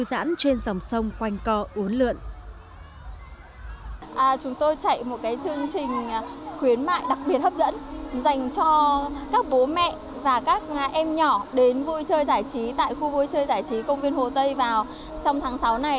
đến vui chơi giải trí tại khu vui chơi giải trí công viên hồ tây vào trong tháng sáu này